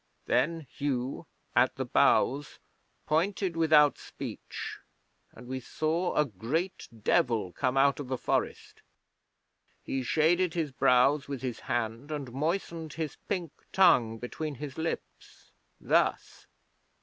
'Then Hugh, at the bows, pointed without speech, and we saw a great Devil come out of the forest. He shaded his brows with his hand, and moistened his pink tongue between his lips thus.'